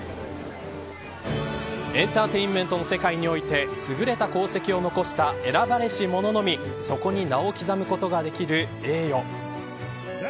エンターテインメントの世界において優れた功績を残した選ばれし者のみそこに名を刻むことができる栄誉。